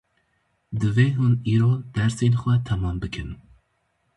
Divê hûn îro dersên xwe temam bikin.